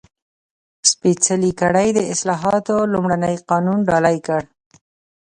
سپېڅلې کړۍ د اصلاحاتو لومړنی قانون ډالۍ کړ.